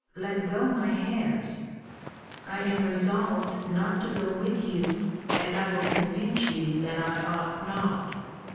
Let go my hands I am resolved not to go with you and I will convince you that I ought not.